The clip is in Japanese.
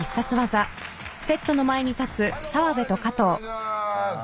お願いしまーす。